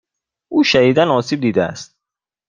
او شدیدا آسیب دیده است.